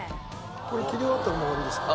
これ切り終わったらもう終わりですから。